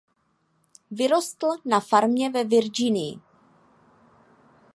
Vyrostl na farmě ve Virginii.